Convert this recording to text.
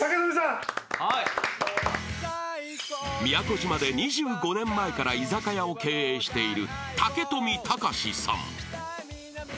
［宮古島で２５年前から居酒屋を経営している］